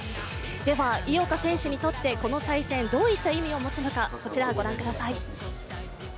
井岡選手にとってこの再戦、どういった意味を持つのか、こちらを御覧ください。